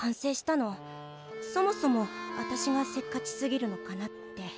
そもそも私がせっかちすぎるのかなって。